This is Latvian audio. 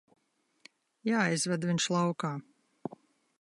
Jāizved viņš laukā.